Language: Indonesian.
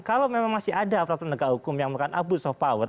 kalau memang masih ada aparat penegak hukum yang melakukan abuse of power